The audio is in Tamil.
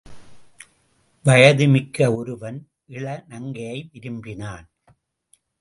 வயது மிக்க ஒருவன் இளநங்கையை விரும்பினான்.